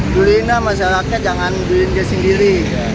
duluin lah masyarakat jangan duluin dia sendiri